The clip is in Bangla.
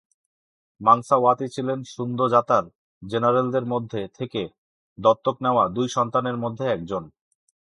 মানসা ওয়াতি ছিলেন সুন্দজাতার জেনারেলদের মধ্যে থেকে দত্তক নেওয়া দুই সন্তানের মধ্যে একজন।